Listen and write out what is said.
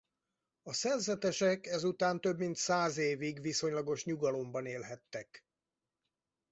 A szerzetesek ezután több mint száz évig viszonylagos nyugalomban élhettek.